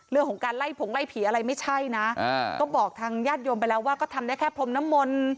เรื่องของการไล่ผงไล่ผีอะไรไม่ใช่นะก็บอกทางญาติโยมไปแล้วว่าก็ทำได้แค่พรมน้ำมนต์